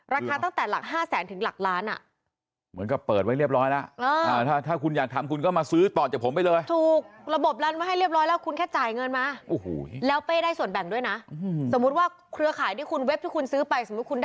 ราคาตั้งแต่หลัก๕๐๐๐๐๐บาทถึงหลักล้าน